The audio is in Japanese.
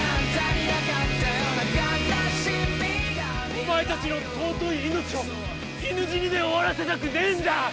お前たちの尊い命を犬死にで終わらせたくねぇんだ！